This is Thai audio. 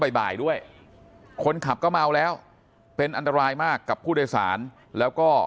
บ่ายด้วยคนขับก็เมาแล้วเป็นอันตรายมากกับผู้โดยสารแล้วก็